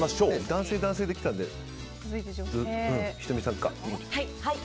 男性、男性で来たので仁美さんか。